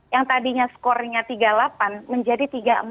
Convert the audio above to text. yang tadinya skornya tiga puluh delapan menjadi tiga empat